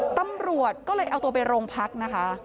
ตำรวจก็เลยเอาตัวไปโรงพักนะคะ